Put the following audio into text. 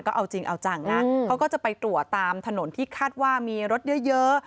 ก็เอาจริงเอาจังนะเขาก็จะไปตรวจตามถนนที่คาดว่ามีรถเยอะ